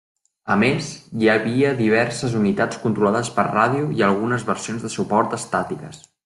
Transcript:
A més, hi havia diverses unitats controlades per ràdio i algunes versions de suport estàtiques.